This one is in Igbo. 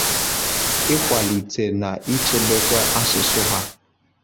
ịkwàlite na ichekwaba asụsụ ha.